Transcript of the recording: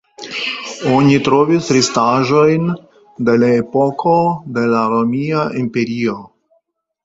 Oni trovis restaĵojn de la epoko de la Romia Imperio.